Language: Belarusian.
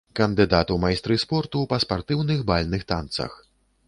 Кандыдат у майстры спорту па спартыўных бальных танцах.